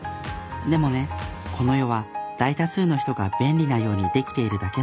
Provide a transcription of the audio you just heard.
でもねこの世は大多数の人が便利なようにできているだけの事。